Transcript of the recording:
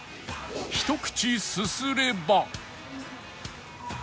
ひと口すすれば